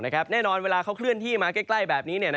แน่นอนเวลาเขาเคลื่อนที่มาใกล้แบบนี้